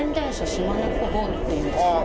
しまねっこ号っていうんですよ。